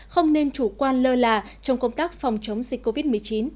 không nên chủ quan lơ là trong công tác phòng chống dịch covid một mươi chín